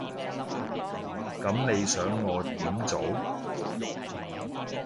噉你想我點做？